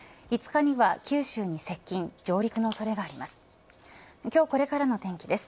５日には九州に接近上陸の恐れがあります。